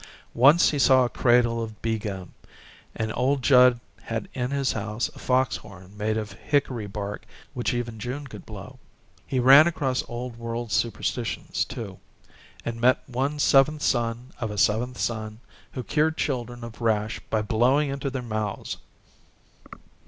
Often he saw a cradle of beegum, and old Judd had in his house a fox horn made of hickory bark which even June could blow. He ran across old world superstitions, too, and met one seventh son of a seventh son who cured children of rash by blowing into their mouths.